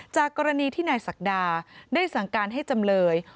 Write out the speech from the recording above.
จากกรณีที่นายศักดาได้สั่งการให้จำเลย